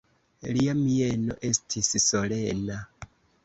Lia mieno estis solena.